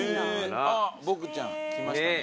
あっ僕ちゃん来ましたね。